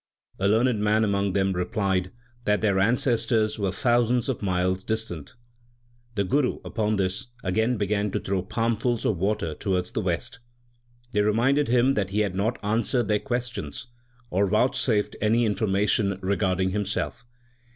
A learned man among them replied that their ancestors were thousands of miles distant. The Guru, upon this, again began to throw palmfuls of water towards the west. They reminded him that he had not answered their questions, or vouch safed any information regarding himself.